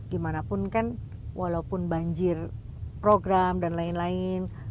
gimanapun kan walaupun banjir program dan lain lain